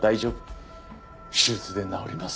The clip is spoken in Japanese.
手術で治ります。